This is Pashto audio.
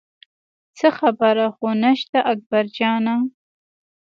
څه خبره خو نه شته اکبر جانه.